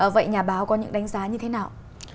vậy nhà báo có những đánh giá như thế nào